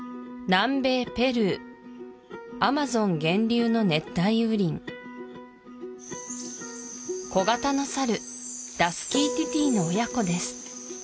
南米ペルーアマゾン源流の熱帯雨林小型のサルダスキーティティの親子です